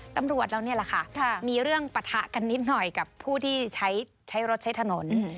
ตำรวจเรานี่แหละค่ะมีเรื่องปะทะกันนิดหน่อยกับผู้ที่ใช้รถใช้ถนน